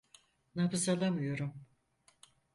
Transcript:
Nabız alamıyorum.